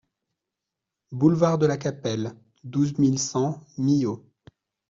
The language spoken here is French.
Boulevard de la Capelle, douze mille cent Millau